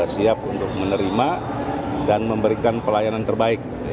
siap untuk menerima dan memberikan pelayanan terbaik